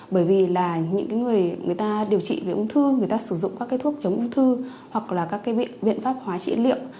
bởi vì là những người người ta điều trị về ung thư người ta sử dụng các thuốc chống ung thư hoặc là các viện pháp hóa trị liệu